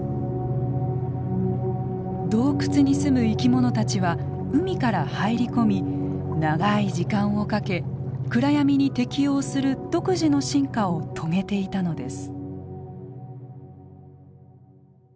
洞窟に住む生き物たちは海から入り込み長い時間をかけ暗闇に適応する独自の進化を遂げていたのです。